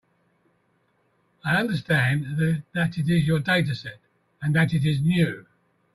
I understand that it is your dataset, and that it is new.